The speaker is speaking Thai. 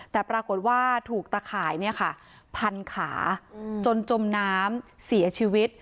แต่ปรากฏว่าถูกตะข่ายพันขาจนจมน้ำเสียชีวิต